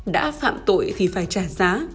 đã phạm tội thì phải trả giá